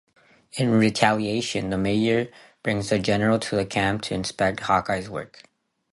In retaliation, the Majors bring a General to the camp to inspect Hawkeye's work.